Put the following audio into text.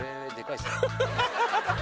ハハハハハ